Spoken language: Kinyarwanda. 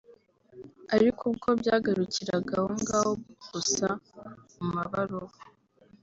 Ariko ubwo byagarukiraga aho ngaho gusa mu mabaruwa